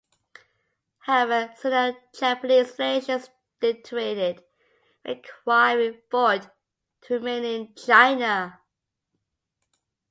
However, Sino-Japanese relations deteriorated, requiring "Ford" to remain in China.